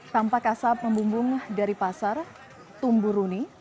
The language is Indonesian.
tampak asap membumbung dari pasar tumburuni